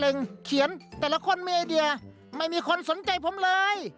เขียนแต่ละคนมีไอเดียไม่มีคนสนใจผมเลย